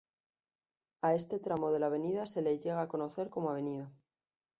A este tramo de la avenida se le llega a conocer como Av.